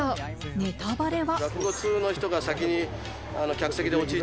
ネタバレは？